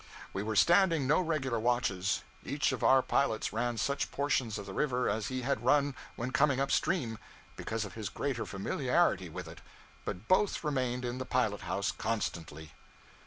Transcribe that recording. We were standing no regular watches. Each of our pilots ran such portions of the river as he had run when coming up stream, because of his greater familiarity with it; but both remained in the pilot house constantly.